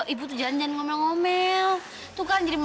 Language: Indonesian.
itu sih namanya bukan mara